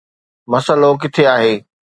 مسئلو ڪٿي آهي؟